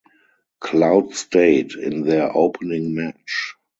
Cloud State in their opening match.